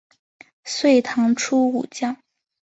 隋唐初武将。